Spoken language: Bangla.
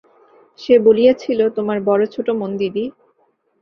সে বলিয়াছিল, তোমার বড় ছোট মন দিদি।